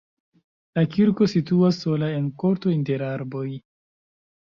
La kirko situas sola en korto inter arboj.